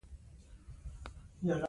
د ملالۍ قبر به جوړ سي.